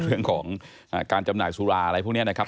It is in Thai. เรื่องของการจำหน่ายสุราอะไรพวกนี้นะครับ